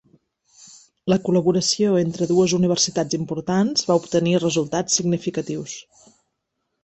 La col·laboració entre dues universitats importants va obtenir resultats significatius.